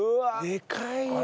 でかいよ。